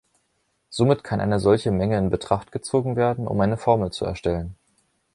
Somit kann eine solche Menge in Betracht gezogen werden, um eine Formel zu erstellen.